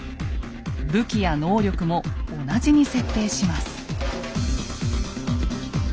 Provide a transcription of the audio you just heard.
武器や能力も同じに設定します。